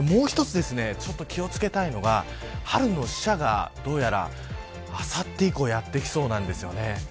もう一つ、気を付けたいのが春の使者がどうやらあさって以降やってきそうなんですよね。